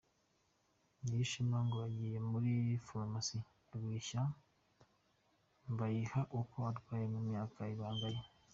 Nyirishema ngo yagiye muri farumasi abeshya Mbayiha ko arwaye mu myanya y’ibanga ye.